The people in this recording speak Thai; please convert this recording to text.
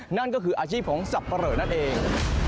นั่นก็คืออาชีพของสับปะเหลอนั่นเอง